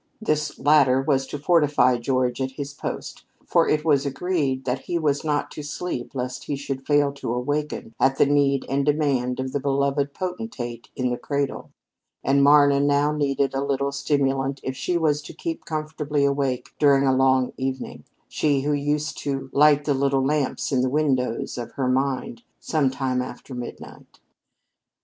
This latter was to fortify George at his post, for it was agreed that he was not to sleep lest he should fail to awaken at the need and demand of the beloved potentate in the cradle; and Marna now needed a little stimulant if she was to keep comfortably awake during a long evening she who used to light the little lamps in the windows of her mind sometime after midnight.